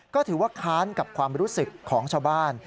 ก็ถือว่าค้านกับความรู้สึกของชาวบ้าน